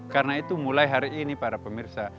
karena itu mulai hari ini para pemirsa